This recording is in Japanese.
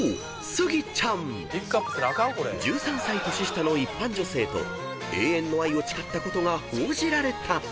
スギちゃん］［１３歳年下の一般女性と永遠の愛を誓ったことが報じられた］